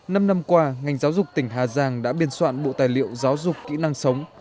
năm năm qua ngành giáo dục tỉnh hà giang đã biên soạn bộ tài liệu giáo dục kỹ năng sống